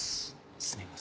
すみません。